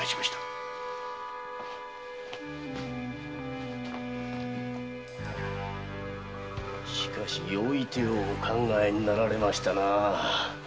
しかしよい手をお考えになられましたな。